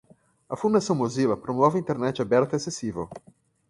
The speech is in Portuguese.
A Fundação Mozilla promove a internet aberta e acessível.